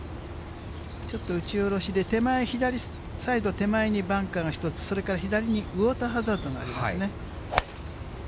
ちょっと打ち下ろしで、手前左サイド、手前にバンカーが１つ、それから左にウォーターハザードがありますね。